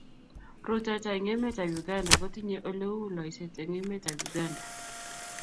Rutoito eng emetab Uganda kotinyei ole uu loiseet eng emetab Uganda.